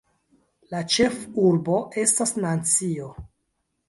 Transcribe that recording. La ĉefurbo estas Nancio.